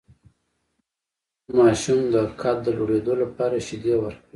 د ماشوم د قد د لوړیدو لپاره شیدې ورکړئ